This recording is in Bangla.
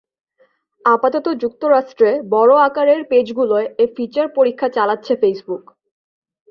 আপাতত যুক্তরাষ্ট্রে বড় আকারের পেজগুলোয় এ ফিচার পরীক্ষা চালাচ্ছে ফেসবুক।